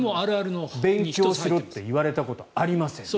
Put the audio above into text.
勉強しろって言われたことありません。